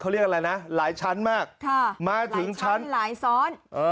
เขาเรียกอะไรนะหลายชั้นมากมาถึงชั้นหลายซ้อน